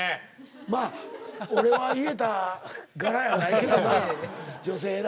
まあ俺は言えた柄やないけどな。